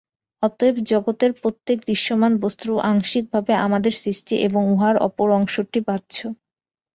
অতএব জগতের প্রত্যেক দৃশ্যমান বস্তু আংশিকভাবে আমাদের সৃষ্টি এবং উহার অপর অংশটি বাহ্য।